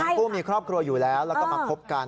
ผู้มีครอบครัวอยู่แล้วแล้วก็มาคบกัน